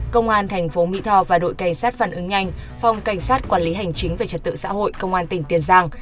công an thành phố mỹ tho và đội cảnh sát phản ứng nhanh phòng cảnh sát quản lý hành chính về trật tự xã hội công an tỉnh tiền giang